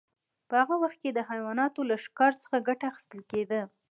په هغه وخت کې د حیواناتو له ښکار څخه ګټه اخیستل کیده.